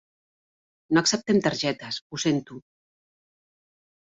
No acceptem targetes, ho sento.